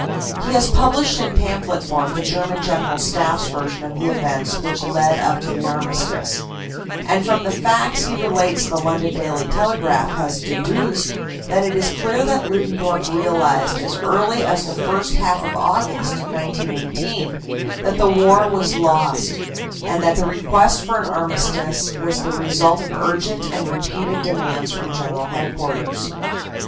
He has published in pamphlet form the German General Staff s version of the events which led up to the armistice, and from the facts he relates the London Daily Telegraph has deduced that it is clear that Ludendorff real ized as early as the first half of August, 1918, that the war was lost, and that the request for an armistice was the result of urgent and repeated demands from General Headquarters.